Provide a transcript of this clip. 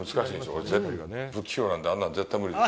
これ、絶対、不器用なんで、あんなん、絶対無理です。